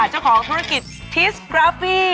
เจ้าของธุรกิจทิสกราฟี่